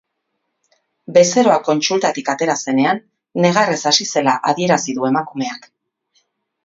Bezeroa kontsultatik atera zenean, negarrez hasi zela adierazi du emakumeak.